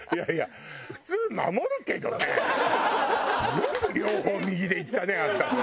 よく両方右でいったねあんた本当に。